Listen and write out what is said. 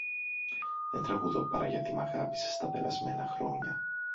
Δεν τραγουδώ παρά γιατί μ’ αγάπησες στα περασμένα χρόνια.